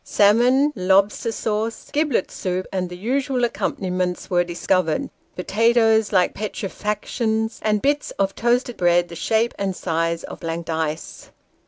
Salmon, lobster sauce, giblet soup, and the usual accompaniments were dzs covered : potatoes like petrifactions, and bits of toasted bread, the shape and size of blank dice.